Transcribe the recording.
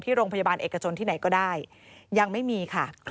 โรงพยาบาลเอกชนที่ไหนก็ได้ยังไม่มีค่ะ